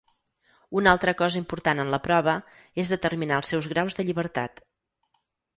Una altra cosa important en la prova és determinar els seus graus de llibertat.